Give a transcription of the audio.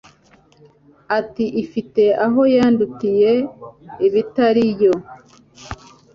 Ati Ifite aho yandutiye ibitari yo